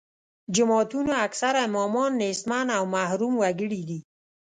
جوماتونو اکثره امامان نیستمن او محروم وګړي دي.